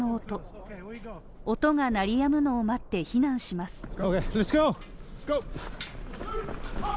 音が鳴りやむのを待って避難します。